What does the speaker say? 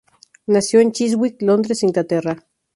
Nació en Chiswick, Londres, Inglaterra.